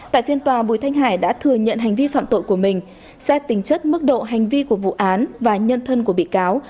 tại phiên tòa bùi thanh hải đã thừa nhận hành vi phạm tội của mình xét tính chất mức độ hành vi của vụ án và nhân thân của bị cáo